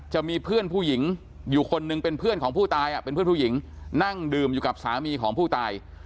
จะมีเพื่อนผู้หญิงอยู่คนหนึ่งเป็นเพื่อนของผู้ตายเป็นเพื่อนผู้หญิงนั่งดื่มอยู่กับสามีของผู้ตาย